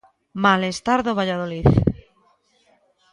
Malestar do Valladolid.